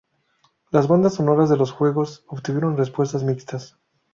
Las bandas sonoras de los juegos obtuvieron respuestas mixtas.